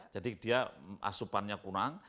jadi dia asupannya kurang